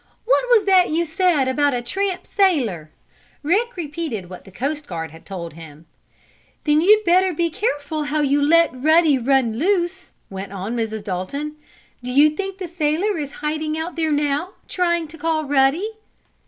"What was that you said about a tramp sailor?" Rick repeated what the coast guard had told him. "Then you'd better be careful how you let Ruddy run loose," went on Mrs. Dalton. "Do you think the sailor is hiding out there now, trying to call Ruddy?"